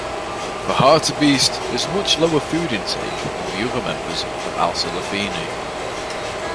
The hartebeest has much lower food intake than the other members of Alcelaphini.